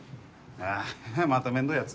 えぇまためんどいやつ？